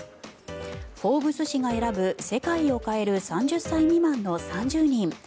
「フォーブス」誌が選ぶ「世界を変える３０歳未満」の３０人